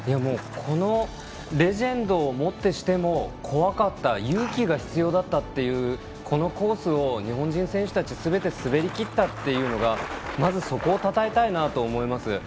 このレジェンドをもってしても怖かった、勇気が必要だったという、このコースを日本人選手たちがすべて滑りきったということまず、そこをたたえたいなと思います。